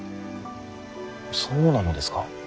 そうなのですか？